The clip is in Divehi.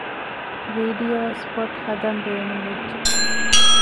ވީޑިއޯ ސްޕޮޓް ހަދަން ބޭނުންވެއްޖެ